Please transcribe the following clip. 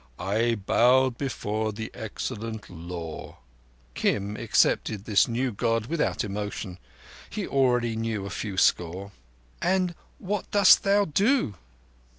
I bowed before the Excellent Law." Kim accepted this new God without emotion. He knew already a few score. "And what dost thou do?"